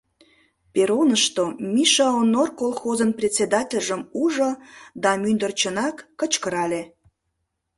Перронышто Миша Онор колхозын председательжым ужо да мӱндырчынак кычкырале: